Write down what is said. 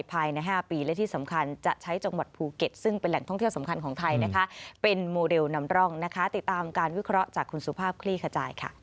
ภายใน๕ปีและที่สำคัญจะใช้จังหวัดภูเก็ตซึ่งเป็นแหล่งท่องเที่ยวสำคัญของไทยนะคะเป็นโมเดลนำร่องนะคะติดตามการวิเคราะห์จากคุณสุภาพคลี่ขจายค่ะ